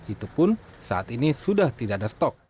itu pun saat ini sudah tidak ada stok